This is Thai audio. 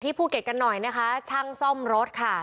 ภูเก็ตกันหน่อยนะคะช่างซ่อมรถค่ะ